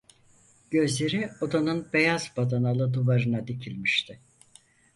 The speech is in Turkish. Gözleri odanın beyaz badanalı duvarına dikilmişti.